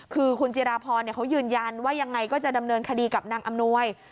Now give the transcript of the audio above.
คือคุณจิราพรเขายืนยันว่ายังไงก็จะดำเนินคดีกับนางอำนวย